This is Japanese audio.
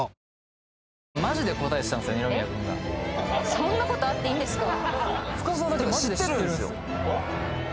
そんなことあっていいんですか？